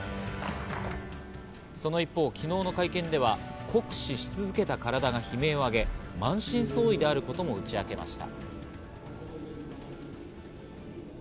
その一方、昨日の会見では酷使し続けた体が悲鳴を上げ、満身創痍であることもうちあけました。